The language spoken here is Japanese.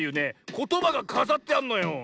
ことばがかざってあんのよ。